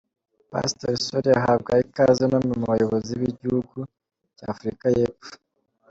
Pastor Solly ahabwa ikaze n'umwe mu bayobozi b'igihugu cya Afrika y'Epfo.